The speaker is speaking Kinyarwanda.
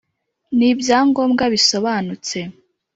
N ibyangombwa bisobanutse